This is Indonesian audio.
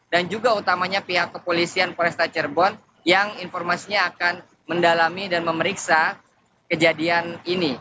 dan juga utamanya pihak kepolisian polesta cerbon yang informasinya akan mendalami dan memeriksa kejadian ini